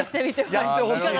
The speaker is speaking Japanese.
やってほしいな。